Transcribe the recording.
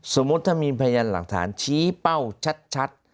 สมมุติถ้ามีพยานหลักฐานชี้เป้าชัด